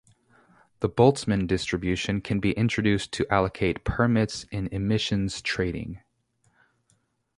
The Boltzmann distribution can be introduced to allocate permits in emissions trading.